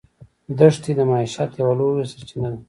دښتې د معیشت یوه لویه سرچینه ده.